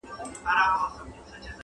ما په ژوند کي داسي قام نه دی لیدلی؛